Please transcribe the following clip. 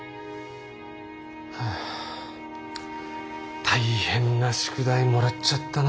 ああ大変な宿題もらっちゃったな。